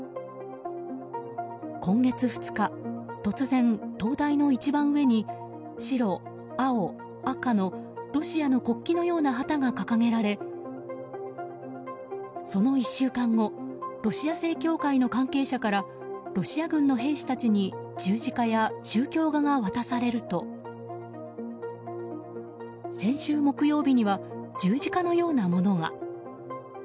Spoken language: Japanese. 今月２日突然、灯台の一番上に白、青、赤のロシアの国旗のような旗が掲げられその１週間後ロシア正教会の関係者からロシア軍の兵士たちに十字架や宗教画が渡されると先週木曜日には十字架のようなものが。